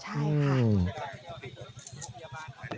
ใช่ค่ะ